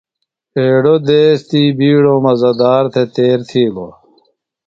ایڑوۡ دیس تی بِیڈوۡ مزہ دار تھےۡ تیر تِھیلوۡ۔